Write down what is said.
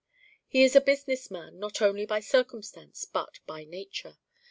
He is a business man not only by circumstance but by nature.